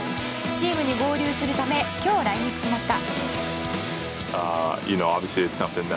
チームに合流するため今日来日しました。